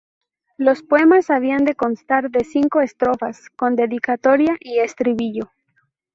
Los poemas habían de constar de cinco estrofas, con dedicatoria y estribillo.